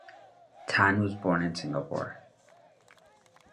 Tan was born in Singapore.